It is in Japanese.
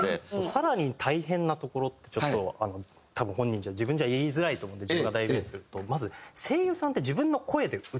更に大変なところってちょっと多分本人じゃ自分じゃ言いづらいと思うんで自分が代弁するとまず声優さんって。